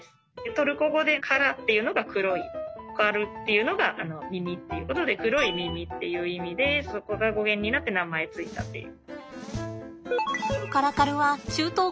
トルコ語でカラっていうのが黒いカルっていうのが耳っていうことで「黒い耳」っていう意味でそこが語源になって名前付いたっていう。